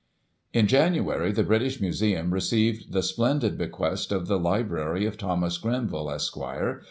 In January, the British Museum received the splendid be quest of the Library of Thomas Grenville, Esqre.